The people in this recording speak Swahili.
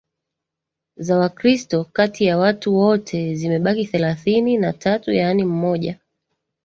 za Wakristo kati ya watu wote zimebaki thelathini na tatu yaani mmoja